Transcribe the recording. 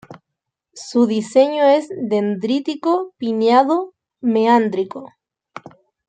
Su diseño es dendrítico_pineado_meándrico.